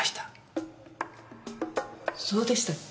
そうでしたっけ？